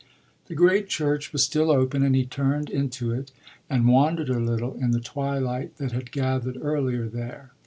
The great church was still open and he turned into it and wandered a little in the twilight that had gathered earlier there.